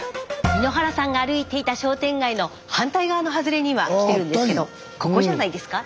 井ノ原さんが歩いていた商店街の反対側の外れに今来てるんですけどここじゃないですか？